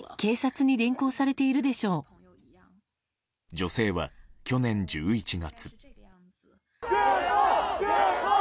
女性は去年１１月。